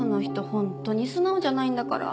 本当に素直じゃないんだから。